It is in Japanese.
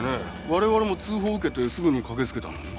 我々も通報受けてすぐに駆けつけたのに。